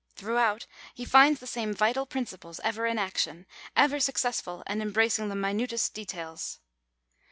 Throughout he finds the same vital principles, ever in action, ever successful, and embracing the minutest details.